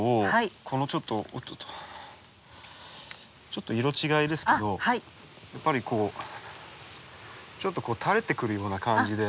ちょっと色違いですけどやっぱりこうちょっと垂れてくるような感じで。